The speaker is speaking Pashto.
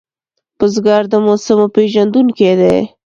بزګر د موسمو پېژندونکی دی